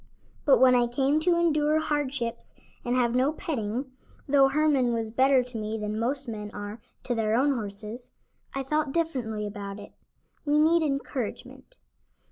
But when I came to endure hardships and have no petting (though Herman was better to me than most men are to their own horses) I felt differently about it. We need encouragement.